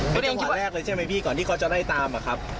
เป็นจังหวะแรกเลยใช่ไหมพี่ก่อนที่เขาจะไล่ตามอะครับ